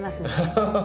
ハハハッ。